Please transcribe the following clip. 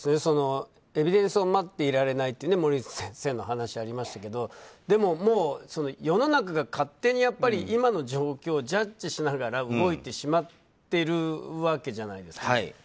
エビデンスを待っていられないという森内先生の話がありましたけどでも、もう世の中が勝手に今の状況をジャッジしながら動いてしまってるわけじゃないですか。